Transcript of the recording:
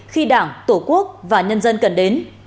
khi đảng tổ quốc và nhân dân cần đến